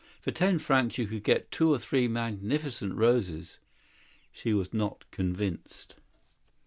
For ten francs you can get two or three magnificent roses." She was not convinced.